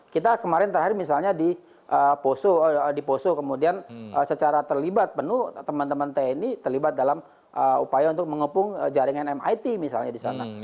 kita kemarin terakhir misalnya di poso kemudian secara terlibat penuh teman teman tni terlibat dalam upaya untuk mengepung jaringan mit misalnya di sana